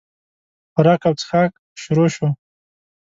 خوراک او چښاک شروع شو.